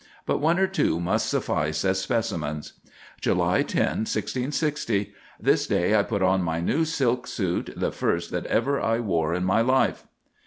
But one or two must suffice as specimens:— "July 10, 1660. This day I put on my new silk suit, the first that ever I wore in my life."